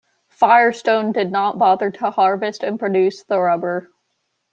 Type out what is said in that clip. Firestone did not bother to harvest and produce the rubber.